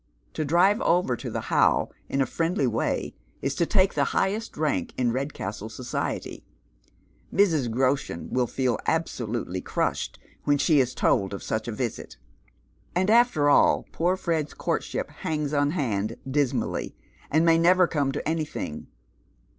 To drive over to the How in a friendly way is to take the highest rank in Redcastle society. Mrs Groshen will feel absolutely crushed when she is told of sucli a visit. And after all, poor Fred's courtship hangs on hand dis mally, and may never come to anything.